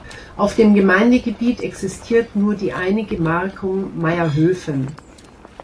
Auf dem Gemeindegebiet existiert nur die eine Gemarkung Maierhöfen.